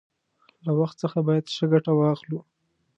له وخت څخه باید ښه گټه واخلو.